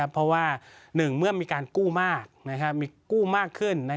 เพราะว่า๑เมื่อมีการกู้มากมีกู้มากขึ้น